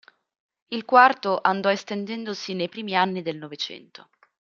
Il Quarto andò estendendosi nei primi anni del Novecento.